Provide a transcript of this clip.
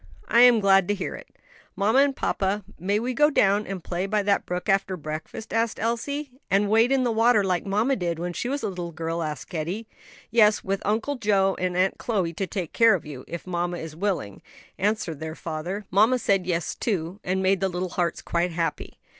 "I am glad to hear it." "Mamma and papa, may we go down and play by that brook after breakfast?" asked Elsie. "And wade in the water like mamma did when she was a little girl?" added Eddie. "Yes, with Uncle Joe and Aunt Chloe to take care of you; if mamma is willing," answered their father. Mamma said yes, too, and made the little hearts quite happy.